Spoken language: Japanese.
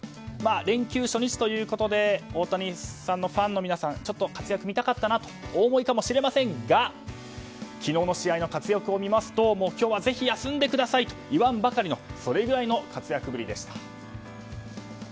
連休初日ということでファンの皆さんちょっと活躍を見たかったなとお思いかもしれませんが昨日の試合の活躍を見ますと今日は、ぜひ休んでくださいといわんばかりのそれぐらいの活躍ぶりでした。